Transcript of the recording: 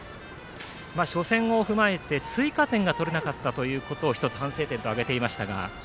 初戦を踏まえて追加点が取れなかったことを反省点に挙げていましたが。